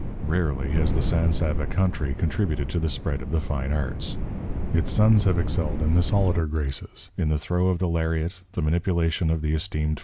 Rarely has the San Saba country contributed to the spread of the fine arts. Its sons have excelled in the solider graces, in the throw of the lariat, the manipulation of the esteemed